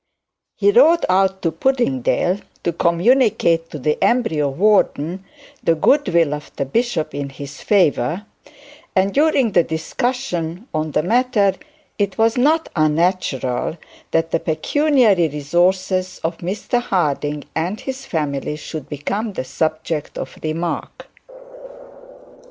He rode out to Puddingdale to communicate to the embryo warden the good will of the bishop in his favour, and during the discussion on the matter, it was unnatural that the pecuniary resources of Mr Harding and his family should become the subject of remark.